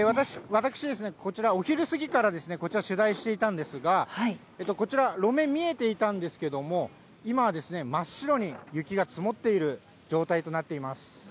私ですね、こちら、お昼過ぎからこちら、取材していたんですが、こちら、路面見えていたんですけれども、今は真っ白に雪が積もっている状態となっています。